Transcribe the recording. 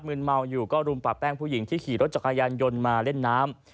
ืนเมาอยู่ก็รุมปะแป้งผู้หญิงที่ขี่รถจักรยานยนต์มาเล่นน้ำ